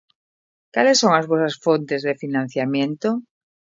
Cales son as vosas fontes de financiamento?